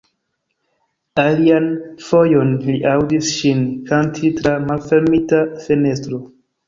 Alian fojon li aŭdis ŝin kanti tra malfermita fenestro.